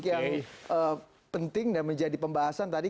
yang penting dan menjadi pembahasan tadi